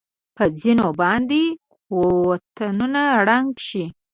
په ځېنو باندې وطنونه ړنګ شي.